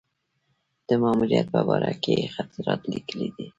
د ماموریت په باره کې یې خاطرات لیکلي.